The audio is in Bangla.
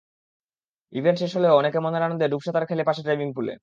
ইভেন্ট শেষ হলেও অনেকে মনের আনন্দে ডুবসাঁতার খেলে পাশের ডাইভিং পুলে।